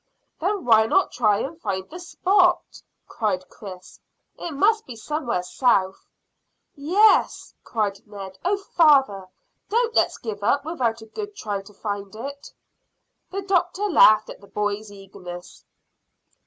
"Then why not try and find the spot?" cried Chris. "It must be somewhere south." "Yes," cried Ned. "Oh, father, don't let's give up without a good try to find it." The doctor laughed at the boy's eagerness.